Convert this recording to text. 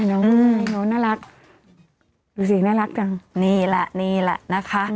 อืมน้องน้องน่ารักดูสิน่ารักจังนี่แหละนี่แหละนะคะอ้าว